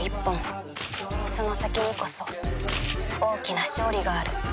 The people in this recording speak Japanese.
その先にこそ大きな勝利がある